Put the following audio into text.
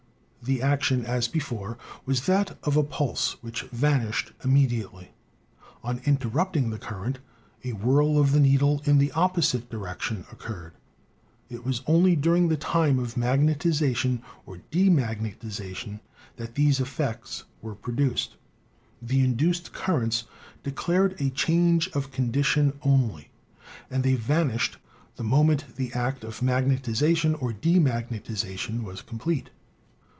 The ac tion, as before, was that of a pulse, which vanished imme diately. On interrupting the current, a whirl of the needle in the opposite direction occurred. It was only during the time of magnetization or demagnetization that these effects were produced. The induced currents declared a change of condition only, and they vanished the moment the act of magnetization or demagnetization was complete.